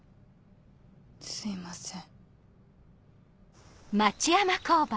すいません。